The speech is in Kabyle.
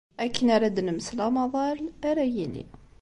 Akken ara d-nemsel amaḍal ara yili.